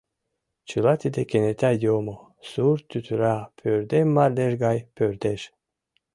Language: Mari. Чыла тиде кенета йомо, сур тӱтыра пӧрдем мардеж гай пӧрдеш.